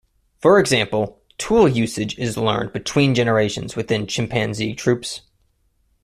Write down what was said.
For example, tool usage is learned between generations within chimpanzee troupes.